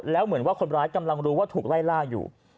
แล้วเหมือนว่าคนร้ายกำลังรู้ว่าถูกไล่ล่าอยู่